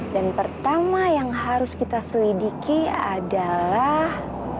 dan pertama yang harus kita selidiki adalah